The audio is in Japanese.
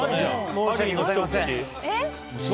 申し訳ございません。